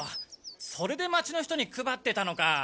それで町の人に配ってたのか。